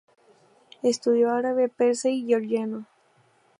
Estudió árabe, persa y georgiano.